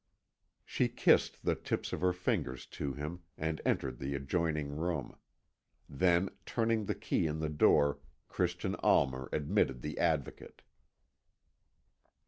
She kissed the tips of her fingers to him, and entered the adjoining room. Then, turning the key in the door Christian Almer admitted the Advocate.